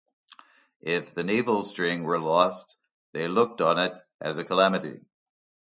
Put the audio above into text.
If the navel-string were lost, they looked on it as a calamity.